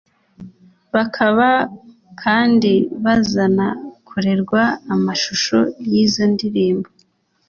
bakaba kandi bazanakorerwa amashusho y’izo ndirimbo